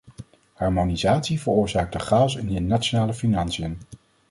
Harmonisatie veroorzaakt een chaos in de nationale financiën.